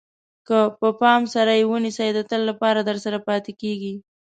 که په پام سره یې ونیسئ د تل لپاره درسره پاتې کېږي.